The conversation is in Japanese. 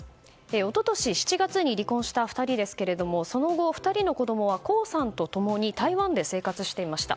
一昨年７月に離婚した２人ですがその後２人の子供は、江さんと共に台湾で生活していました。